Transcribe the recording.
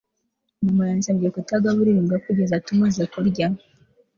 mama yansabye kutagaburira imbwa kugeza tumaze kurya